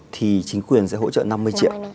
thì chính quyền sẽ hỗ trợ năm mươi triệu